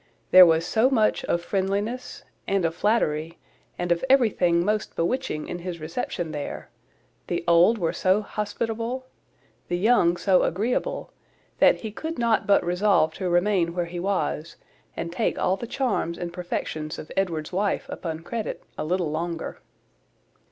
There was so much of friendliness, and of flattery, and of everything most bewitching in his reception there; the old were so hospitable, the young so agreeable, that he could not but resolve to remain where he was, and take all the charms and perfections of Edward's wife upon credit a little longer.